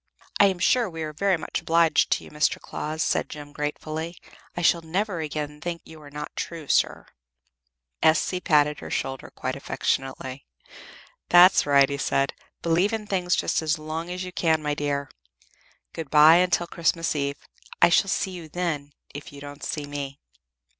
"I am sure we are very much obliged to you, Mr. Claus," said Jem, gratefully. "I shall never again think you are not true, sir". S.C. patted her shoulder quite affectionately. "That's right," he said. "Believe in things just as long as you can, my dear. Good bye until Christmas Eve. I shall see you then, if you don't see me."